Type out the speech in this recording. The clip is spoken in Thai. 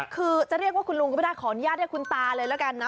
คือจะเรียกว่าคุณลุงก็ไม่ได้ขออนุญาตเรียกคุณตาเลยแล้วกันนะ